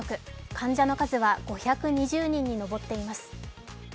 患者の数は５２０人に上っています。